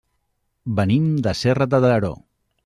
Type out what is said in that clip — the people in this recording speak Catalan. Venim de Serra de Daró.